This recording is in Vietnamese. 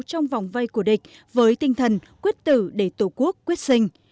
trong vòng vây của địch với tinh thần quyết tử để tổ quốc quyết sinh